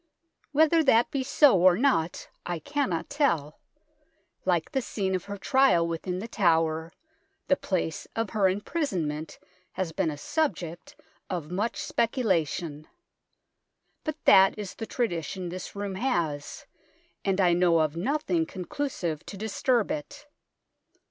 Whether that be so or not I cannot tell ; like the scene of her trial within The Tower, the place of her imprisonment has been a subject of much speculation ; but that is the tradition this room has, and I know of nothing conclusive to disturb it.